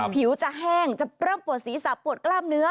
ผิวจะแห้งจะเริ่มปวดศีรษะปวดกล้ามเนื้อ